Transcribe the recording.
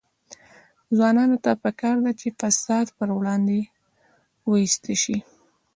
ځوانانو ته پکار ده چې، فساد پر وړاندې وایسته شي.